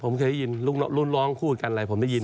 ผมเคยได้ยินรุ่นน้องพูดกันอะไรผมได้ยิน